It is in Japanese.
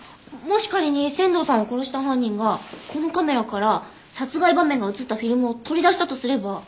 もし仮に仙道さんを殺した犯人がこのカメラから殺害場面が写ったフィルムを取り出したとすれば。